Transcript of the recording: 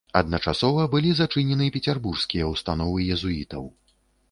Адначасова былі зачынены пецярбургскія ўстановы езуітаў.